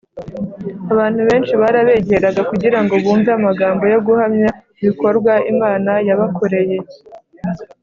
abantu benshi barabegeraga kugira ngo bumve amagambo yo guhamya ibikorwa imana yabakoreye